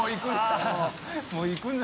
もう行く。